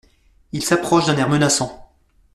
Il s’approche d’un air menaçant.